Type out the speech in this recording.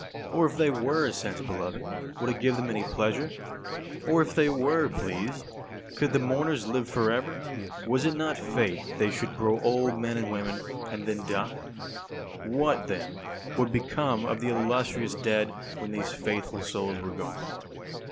Or if they were sensible of it, would it give them any pleasure? Or if they were pleased with it, could the mourners live for ever? Was it not fate that they should grow old men and women, and then die? What, then, would become of the illustrious dead when these faithful souls were gone?